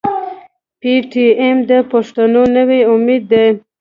پي ټي ايم د پښتنو نوی امېد دی.